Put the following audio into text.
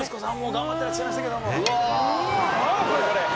息子さんも頑張っていらっしゃいましたけれども。